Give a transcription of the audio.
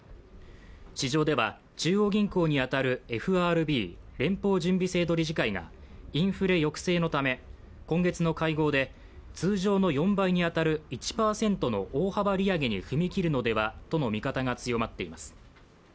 市場では中央銀行に当たるＦＲＢ＝連邦準備制度理事会がインフレ抑制のため今月の会合で通常の４倍に当たる１％の大幅利上げに踏み切るのではとの見方が強まっています。